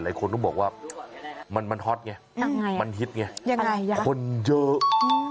หลายคนก็บอกว่ามันฮอตไงมันฮิตไงคนเยอะ